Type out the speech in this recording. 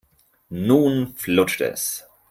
Nun flutscht es.